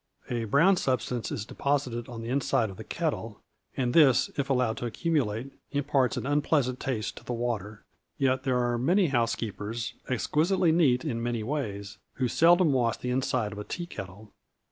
A brown substance is deposited on the inside of the kettle, and this, if allowed to accumulate, imparts an unpleasant taste to the water; yet there are many housekeepers, exquisitely neat in many ways, who seldom wash the inside of a tea kettle.